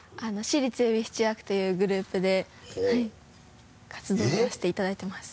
私立恵比寿中学というグループで活動させていただいてます。